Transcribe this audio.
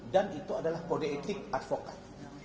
dan itu adalah kode etik advokat